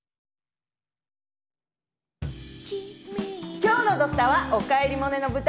きょうの土スタは「おかえりモネ」の舞台